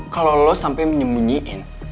kalau lo sampai menyembunyiin